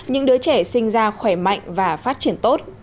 những đứa trẻ sinh ra khỏe mạnh và phát triển tốt